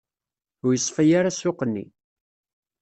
Ur yeṣfi ara ssuq-nni.